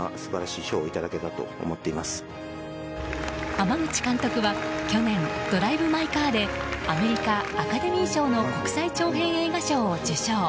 濱口監督は去年「ドライブ・マイ・カー」でアメリカ・アカデミー賞の国際長編映画賞を受賞。